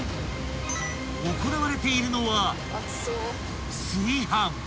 ［行われているのは炊飯］